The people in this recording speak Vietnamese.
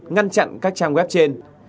ngăn chặn các trang web trên